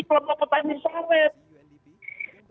kelompok petani sawit